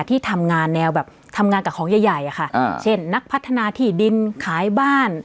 ที่ทำงานแนวแบบทำงานกับของใหญ่ใหญ่อะค่ะเช่นนักพัฒนาที่ดินขายบ้าน